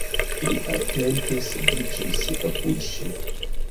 Li atente sidiĝis apud ŝi.